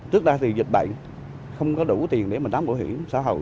trước đó thì dịch bệnh không có đủ tiền để mình đám bảo hiểm xã hội